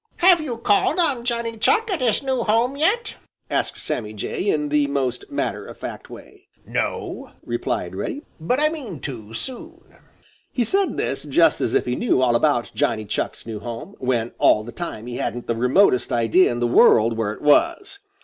"Have you called on Johnny Chuck at his new home yet?" asked Sammy Jay, in the most matter of fact way. "No," replied Reddy, "but I mean to, soon." He said this just as if he knew all about Johnny Chuck's new home, when all the time he hadn't the remotest idea in the world where it was.